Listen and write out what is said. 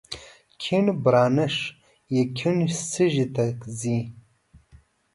کیڼ برانش یې کیڼ سږي ته ځي.